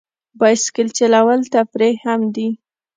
بایسکل چلول تفریح هم دی.